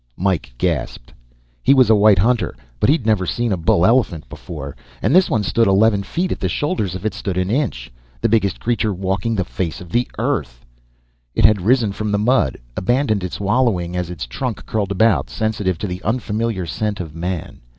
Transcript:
Mike gasped. He was a white hunter, but he'd never seen a bull elephant before. And this one stood eleven feet at the shoulders if it stood an inch; the biggest creature walking the face of the earth. It had risen from the mud, abandoned its wallowing as its trunk curled about, sensitive to the unfamiliar scent of man.